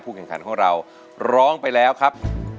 แข่งขันของเราร้องไปแล้วครับ